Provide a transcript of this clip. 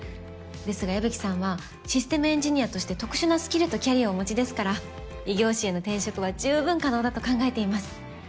ですが矢吹さんはシステムエンジニアとして特殊なスキルとキャリアをお持ちですから異業種への転職は十分可能だと考えています。